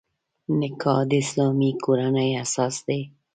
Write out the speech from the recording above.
نکاح د اسلامي کورنۍ اساس دی.